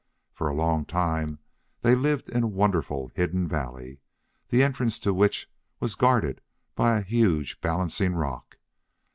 For a long time they lived in a wonderful hidden valley, the entrance to which was guarded by a huge balancing rock.